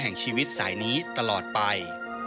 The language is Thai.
แห่งชีวิตสายนี้ตลอดไป